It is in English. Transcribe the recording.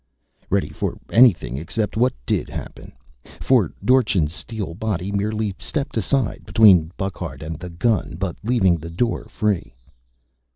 Ready for anything except what did happen. For Dorchin's steel body merely stepped aside, between Burckhardt and the gun, but leaving the door free.